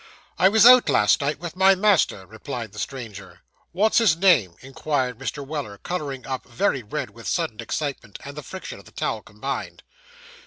'I was out last night with my master,' replied the stranger. 'What's his name?' inquired Mr. Weller, colouring up very red with sudden excitement, and the friction of the towel combined.